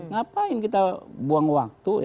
ngapain kita buang waktu